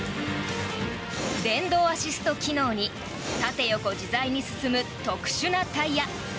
電動アシスト機能に縦横自在に進む特殊なタイヤ。